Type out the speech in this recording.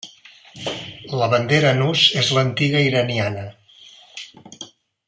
La bandera en ús és l'antiga iraniana.